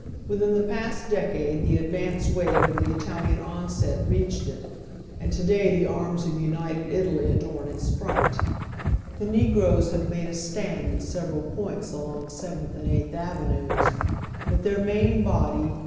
With in the past decade the advance wave of the Italian onset reached it, and to day the arms of United Italy adorn its front. The negroes have made a stand at several points along Seventh and Eighth Avenues ; but their main body, oy Google 26 ItOW THE OTHEK HALF LIVES.